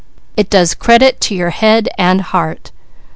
It does credit to your head and heart.